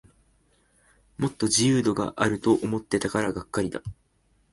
もっと自由度あると思ってたからがっかりだ